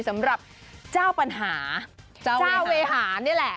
สำหรับเจ้าปัญหาเจ้าเวหานี่แหละ